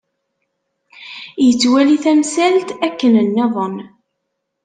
Yettwali tamsalt akken nniḍen.